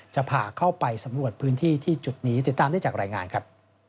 จะพาเข้าไปสำรวจพื้นที่ที่จุดนี้ติดตามได้จากรายงานครับ